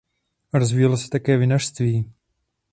Rozvíjelo se také vinařství.